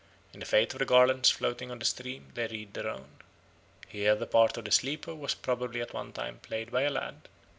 In the fate of the garlands floating on the stream they read their own. Here the part of the sleeper was probably at one time played by a lad.